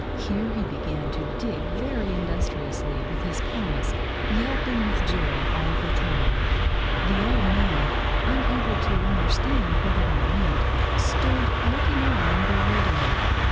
Here he began to dig very industriously with his paws, yelping with joy all the time. The old man, unable to understand what it all meant, stood looking on in bewilderment.